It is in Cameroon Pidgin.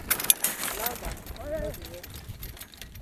Loud am we no di hear.